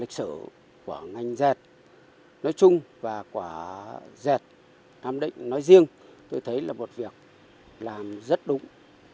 của ngành rệt nói chung và của rệt nam định nói riêng tôi thấy là một việc làm rất đúng